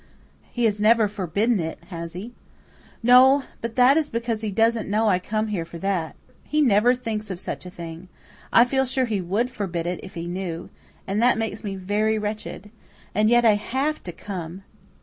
"He has never forbidden it, has he?" "No, but that is because he doesn't know I come here for that. He never thinks of such a thing. I feel sure he WOULD forbid it, if he knew. And that makes me very wretched. And yet I HAVE to come.